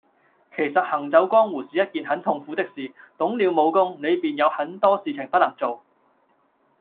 其實行走江湖是一件很痛苦的事，懂了武功，你便有很多事情不能做